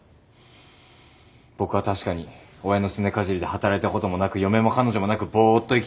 僕は確かに親のすねかじりで働いたこともなく嫁も彼女もなくぼーっと生きてます。